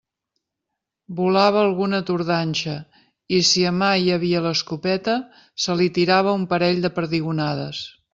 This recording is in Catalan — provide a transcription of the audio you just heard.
Volava alguna tordanxa, i si a mà hi havia l'escopeta, se li tirava un parell de perdigonades.